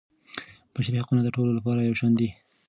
بشري حقونه د ټولو لپاره یو شان دي.